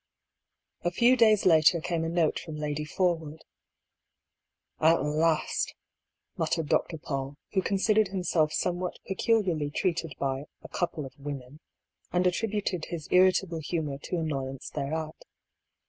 A few days later came a note from Lady Forwood. " At last," muttered Dr. Paull, who considered him self somewhat peculiarly treated by " a con pie of women," and attributed his irritable humour to annoyance thereat.